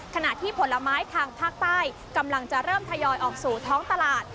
ขณะที่ผลไม้ทางภาคใต้กำลังจะเริ่มทยอยออกสู่ท้องตลาด